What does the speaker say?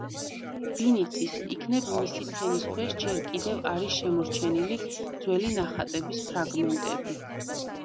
ვინ იცის, იქნებ მისი ფენის ქვეშ ჯერ კიდევ არის შემორჩენილი ძველი ნახატების ფრაგმენტები.